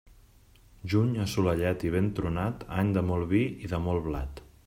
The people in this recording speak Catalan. Juny assolellat i ben tronat, any de molt vi i de molt blat.